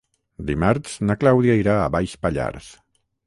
Dimarts na Clàudia irà a Baix Pallars.